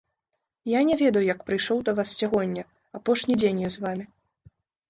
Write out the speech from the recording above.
Я не ведаю, як прыйшоў да вас сягоння, апошні дзень я з вамі.